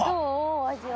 お味は。